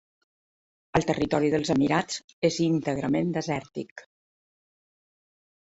El territori dels Emirats és íntegrament desèrtic.